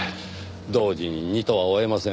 同時に二兎は追えません。